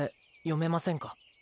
読めませんか？